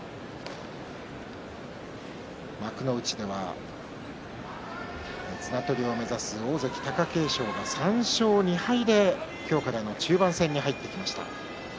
幕内では綱取りを目指す大関貴景勝が３勝２敗で今日からの中盤戦に入ってきました。